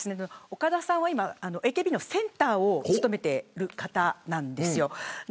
岡田さんはＡＫＢのセンターを務めている方なんです。